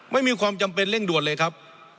ไม่มีความจำเป็นเร่งด่วนเลยครับ